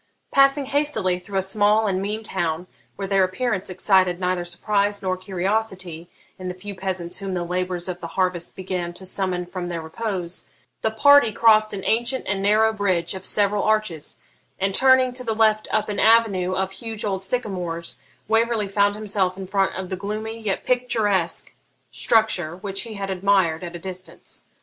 Passing hastily through a small and mean town, where their appearance excited neither surprise nor curiosity in the few peasants whom the labours of the harvest began to summon from their repose, the party crossed an ancient and narrow bridge of several arches, and, turning to the left up an avenue of huge old sycamores, Waverley found himself in front of the gloomy yet picturesque structure which he had admired at a distance.